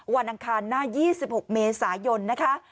อังคารหน้า๒๖เมษายนนะคะ